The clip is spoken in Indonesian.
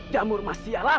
jamur emas sialan